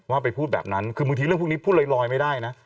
ไปพูดแบบนั้นคือบางทีเรื่องพวกนี้พูดลอยไม่ได้นะ